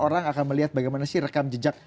orang akan melihat bagaimana sih rekam jejak